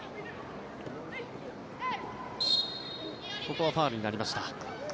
ここはファウルになりました。